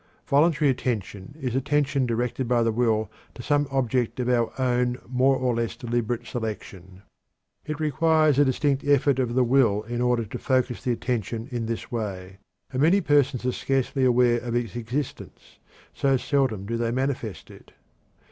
Voluntary attention is attention directed by the will to some object of our own more or less deliberate selection. It requires a distinct effort of the will in order to focus the attention in this way, and many persons are scarcely aware of its existence, so seldom do they manifest it.